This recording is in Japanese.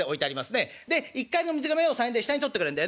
「で一荷入りの水がめを３円で下に取ってくれるんだよね」。